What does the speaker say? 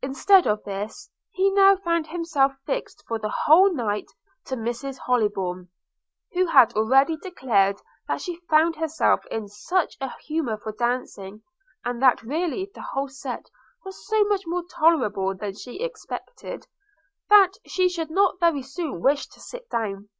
Instead of this, he now found himself fixed for the whole night to Miss Hollybourn; who had already declared that she found herself in such a humour for dancing, and that really the whole set was so much more tolerable than she expected, that she should not very soon wish to sit down.